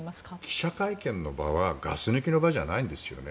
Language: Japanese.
記者会見の場はガス抜きの場じゃないんですよね。